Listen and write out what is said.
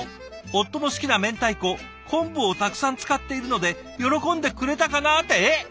夫の好きなめんたいこ昆布をたくさん使っているので喜んでくれたかな」ってえっ！